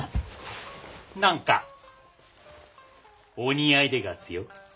何かお似合いでがすよ。